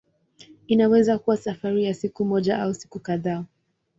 Inaweza kuwa safari ya siku moja au siku kadhaa.